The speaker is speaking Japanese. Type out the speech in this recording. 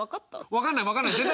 分かんない分かんない全然。